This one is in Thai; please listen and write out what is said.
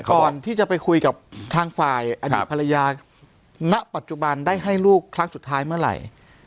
ก่อนที่จะไปคุยกับทางฝ่ายอดีตภรรยาณปัจจุบันได้ให้ลูกครั้งสุดท้ายเมื่อไหร่